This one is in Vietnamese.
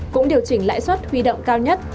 cũng điều chỉnh lãi suất huy động cao nhất